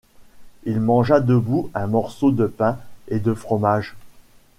Il mangea debout un morceau de pain et de fromage.